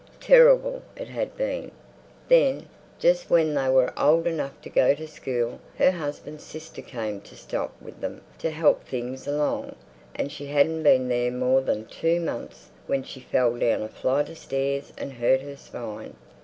Terrible it had been! Then, just when they were old enough to go to school her husband's sister came to stop with them to help things along, and she hadn't been there more than two months when she fell down a flight of steps and hurt her spine.